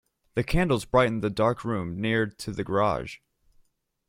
The candles brightened the dark room near to the garage.